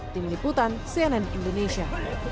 tim liputan cnn indonesia